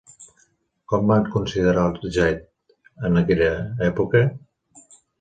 Com van considerar el jade en aquella època?